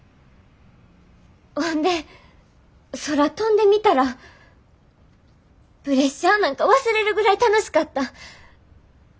ほんで空飛んでみたらプレッシャーなんか忘れるぐらい楽しかった。